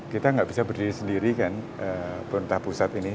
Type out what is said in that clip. kita tidak bisa berdiri sendiri kan pun entah pusat ini